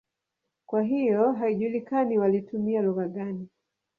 Kwa hiyo haijulikani walitumia lugha gani.